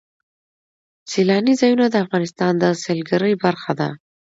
سیلانی ځایونه د افغانستان د سیلګرۍ برخه ده.